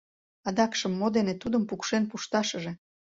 Адакшым мо дене тудым пукшен пушташыже?